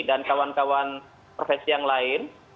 dan kawan kawan profesi yg lain